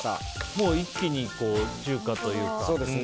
もう一気に中華というか。